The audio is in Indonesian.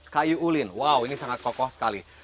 kayu ulin wow ini sangat kokoh sekali